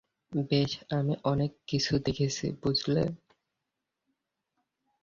বেশ, আমি অনেককিছু দেখেছি, বুঝলে?